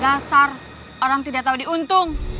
dasar orang tidak tahu diuntung